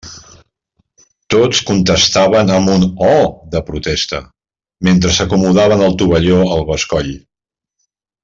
Tots contestaven amb un «oh!» de protesta, mentre s'acomodaven el tovalló al bescoll.